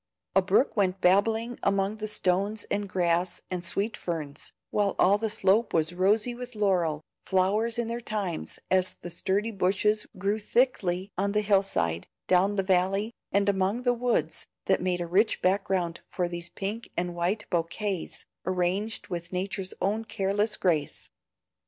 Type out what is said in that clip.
A brook went babbling among the stones and grass and sweet ferns, while all the slope was rosy with laurel flowers in their times, as the sturdy bushes grew thickly on the hill side, down the valley, and among the woods that made a rich background for these pink and white bouquets arranged with Nature's own careless grace.